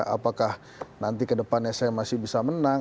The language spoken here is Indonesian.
apakah nanti ke depannya saya masih bisa menang